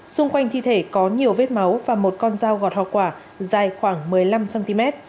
xung quanh thi thể có nhiều vết máu và một con dao gọt hoa quả dài khoảng một mươi năm cm